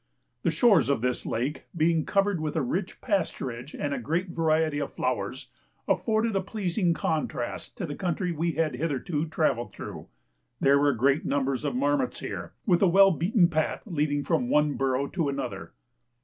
The shores of this lake, being covered with a rich pasturage and a great variety of flowers, afforded a pleasing contrast to the country we had hitherto travelled through. There were great numbers of marmots here, with a well beaten path leading from one burrow to another.